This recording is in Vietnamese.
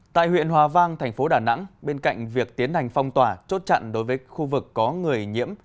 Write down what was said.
tại huyện hòa vang thành phố đà nẵng bên cạnh việc tiến hành phong tỏa chốt chặn đối với khu vực có người nhiễm